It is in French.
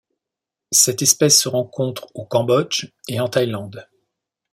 Cette espèce se rencontre au Cambodge et en Thaïlande.